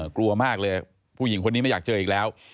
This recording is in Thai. กลัวมากเลยผู้หญิงคนนี้ไม่อยากเจออีกแล้ว